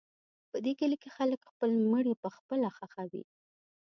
په دې کلي کې خلک خپل مړي پخپله ښخوي.